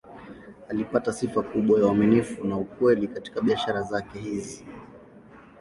Alipata sifa kubwa ya uaminifu na ukweli katika biashara zake hizi.